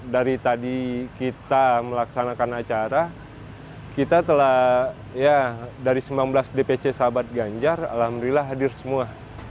dari tadi kita melaksanakan acara kita telah ya dari sembilan belas dpc sahabat ganjar alhamdulillah hadir semua